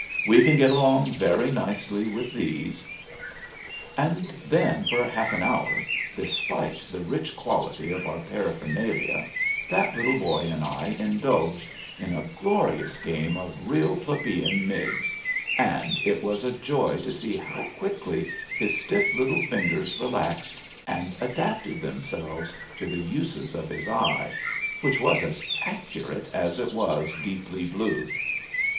"We can get along very nicely with these." And then for half an hour, despite the rich quality of our paraphernalia, that little boy and I indulged in a glorious game of real plebeian miggs, and it was a joy to see how quickly his stiff little fingers relaxed and adapted themselves to the uses of his eye, which was as accurate as it was deeply blue.